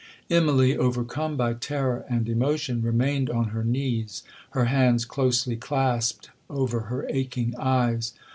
Immalee, overcome by terror and emotion, remained on her knees, her hands closely clasped over her aching eyes.